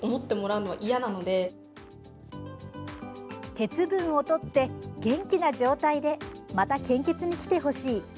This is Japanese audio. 鉄分をとって元気な状態でまた献血に来てほしい。